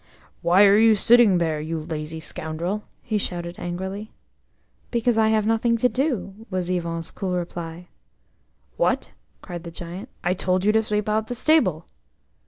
"Why are you sitting there, you lazy scoundrel?" he shouted angrily. "Because I have nothing to do," was Yvon's cool reply. "What!" cried the Giant; "I told you to sweep out the stable."